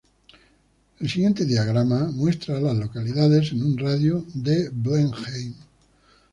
El siguiente diagrama muestra a las localidades en un radio de de Blenheim.